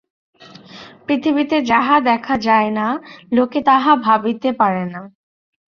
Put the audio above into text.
পৃথিবীতে যাহা দেখা যায় না, লোকে তাহা ভাবিতে পারে না।